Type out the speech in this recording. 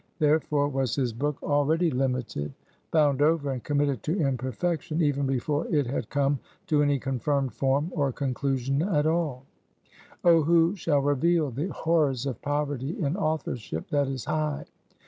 Therefore, was his book already limited, bound over, and committed to imperfection, even before it had come to any confirmed form or conclusion at all. Oh, who shall reveal the horrors of poverty in authorship that is high?